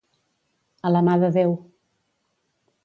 A la mà de Déu.